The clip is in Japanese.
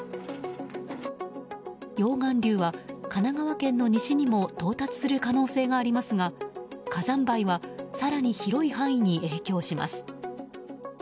溶岩流は神奈川県の西にも到達する可能性がありますが火山灰は更に広い範囲に影響します。